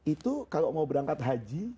itu kalau mau berangkat haji